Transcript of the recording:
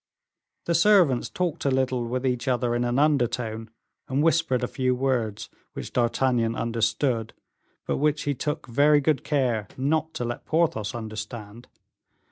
The servants talked a little with each other in an undertone, and whispered a few words, which D'Artagnan understood, but which he took very good care not to let Porthos understand.